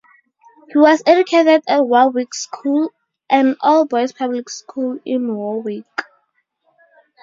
He was educated at Warwick School, an all-boys public school in Warwick.